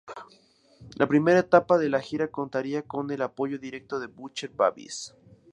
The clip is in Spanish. La primera etapa de la gira contaría con el apoyo directo de Butcher Babies.